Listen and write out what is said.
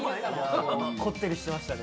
こってりしてましたね。